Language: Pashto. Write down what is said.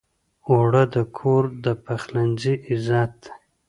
اوړه د کور د پخلنځي عزت دی